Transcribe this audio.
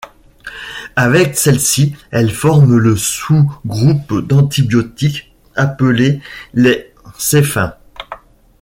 Avec celles-ci elles forment le sous-groupe d'antibiotiques appelé les céphems.